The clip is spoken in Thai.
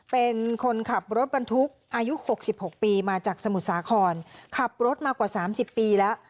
เป็นคนขับรถบรรทุกอายุ๖๖ปีมาจากสมุทรสาครขับรถมากว่า๓๐ปีแล้ว